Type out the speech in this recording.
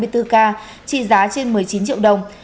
trị giá trên một mươi chín triệu đồng